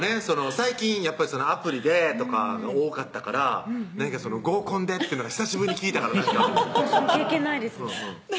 最近やっぱり「アプリで」とかが多かったから「合コンで」っていうのが久しぶりに聞いたから私も経験ないです